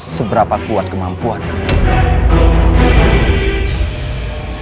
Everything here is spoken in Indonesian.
seberapa kuat kemampuanmu